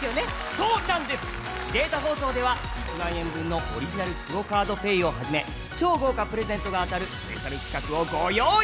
そうなんです、データ放送では１万円分のクオ・カード・ペイをはじめ超豪華プレゼントが当たるスペシャル企画をご用意。